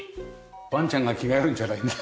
ワンちゃんが着替えるんじゃないんだ。